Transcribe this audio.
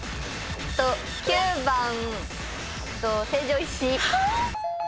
９番成城石井。